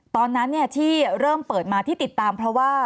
ตอนนั้นที่เริ่มเปิดมาที่ติดตามเพราะว่า